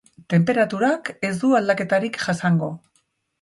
Tenperaturak ez du aldaketarik jasango.